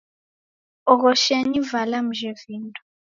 Oghoshenyi vala mjhe vindo.